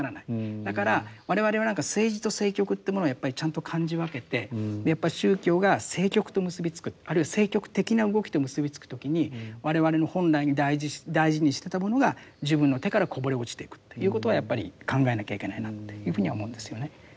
だから我々は何か政治と政局というものをやっぱりちゃんと感じ分けてやっぱり宗教が政局と結び付くあるいは政局的な動きと結び付く時に我々の本来大事にしてたものが自分の手からこぼれ落ちていくっていうことはやっぱり考えなきゃいけないなというふうには思うんですよね。